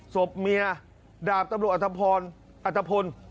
ศพเมียดาบตำรวจอัตภพพิชา